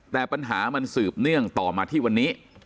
แต่ปัญหามันสืบเนื่องต่อมาที่วันนี้